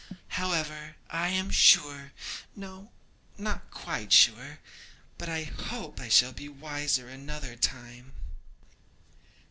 However, I am sure no, not quite sure, but I hope I shall be wiser another time.'